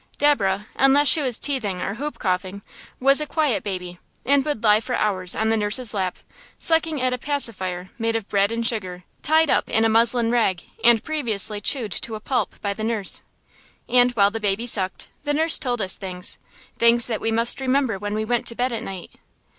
Deborah, unless she was teething or whoop coughing, was a quiet baby, and would lie for hours on the nurse's lap, sucking at a "pacifier" made of bread and sugar tied up in a muslin rag, and previously chewed to a pulp by the nurse. And while the baby sucked the nurse told us things things that we must remember when we went to bed at night.